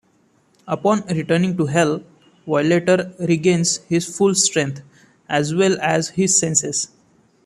Upon returning to Hell, Violator regains his full strength, as well as his senses.